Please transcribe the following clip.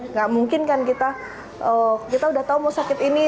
nggak mungkin kan kita udah tahu mau sakit ini